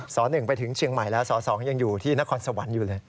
ส๑ไปถึงเชียงใหม่แล้วส๒ยังอยู่ที่นครสวรรค์อยู่เลย